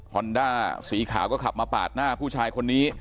อนด้าสีขาวก็ขับมาปาดหน้าผู้ชายคนนี้